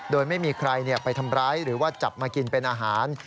โดยไม่มีใครไปทำร้ายหรือว่าจับมากินเป็นอาหาร